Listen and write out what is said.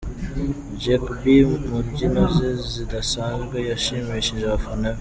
Jack B mu mbyino ze zidasanzwe yashimishije abafana be.